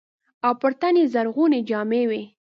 او پر تن يې زرغونې جامې وې.